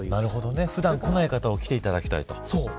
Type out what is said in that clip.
普段来ない方に来ていただきたいと。